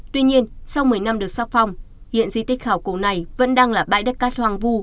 tuy nhiên sau một mươi năm được xác phong hiện di tích khảo cổ này vẫn đang là bãi đất cát hoang vu